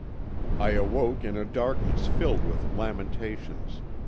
"I awoke in a darkness filled with lamentations.